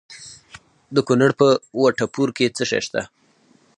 د کونړ په وټه پور کې څه شی شته؟